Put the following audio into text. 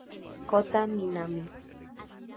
Kota Minami